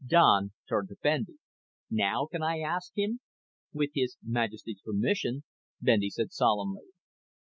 Don turned to Bendy. "Now can I ask him?" "With His Majesty's permission," Bendy said solemnly.